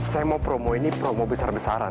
saya mau promo ini promo besar besaran